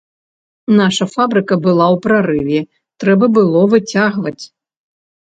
Наша фабрыка была ў прарыве, трэба было выцягваць.